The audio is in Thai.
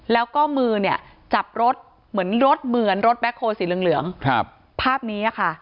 แล้วก็มือเนี่ยจับรถเหมือนรถเหมือนรถแบ็คโฮลสีเหลืองภาพนี้ค่ะ